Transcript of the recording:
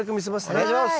お願いします。